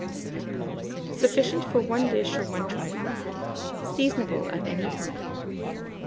Sufficient for 1 dish or 1 trifle. Seasonable at any time.